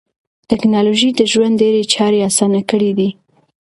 ټکنالوژي د ژوند ډېری چارې اسانه کړې دي.